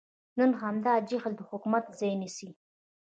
نن همدا جهل د حکمت ځای نیسي.